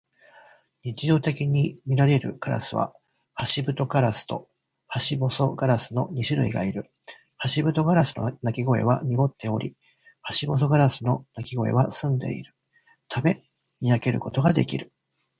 日常的にみられるカラスはハシブトガラスとハシボソガラスの二種類がいる。ハシブトガラスの鳴き声は濁っており、ハシボソガラスの鳴き声は澄んでいるため、見分けることができる。